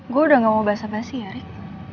gue udah gak mau bahasa basi ya rick